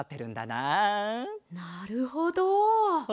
なるほど。